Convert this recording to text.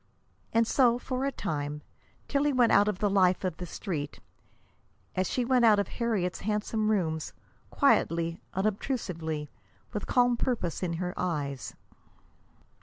And so, for a time, Tillie went out of the life of the Street as she went out of Harriet's handsome rooms, quietly, unobtrusively, with calm purpose in her eyes.